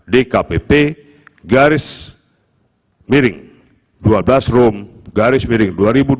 dkpp garis miring dua belas room garis miring dua ribu dua puluh